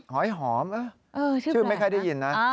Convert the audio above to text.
หอยหอมชื่อไม่ค่อยได้ยินนะ